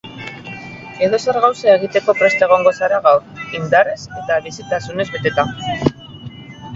Edozer gauza egiteko prest egongo zara gaur, indarrez eta bizitasunez beteta.